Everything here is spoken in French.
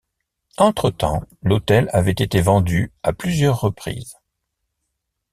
Entre-temps, l'hôtel avait été vendu à plusieurs reprises.